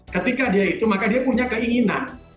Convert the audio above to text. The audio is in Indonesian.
ketika dia itu maka dia punya keinginan